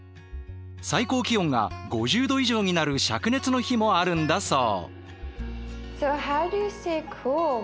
最高気温が５０度以上になるしゃく熱の日もあるんだそう。